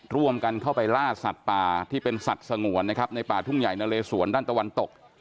ร่วมกันเข้าไปล่าสัตว์ป่าที่เป็นสัตว์สงวนนะครับในป่าทุ่งใหญ่นะเลสวนด้านตะวันตก